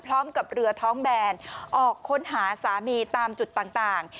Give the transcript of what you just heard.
พร้อมกับเรือท้องแบนออกค้นหาสามีตามจุดต่าง